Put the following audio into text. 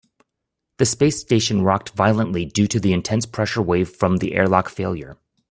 The space station rocked violently due to the intense pressure wave from the airlock failure.